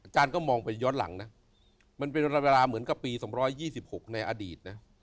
อาจารย์ก็มองไปย้อนหลังมันเป็นเวลาเหมือนกับปี๒๒๖ในอดีต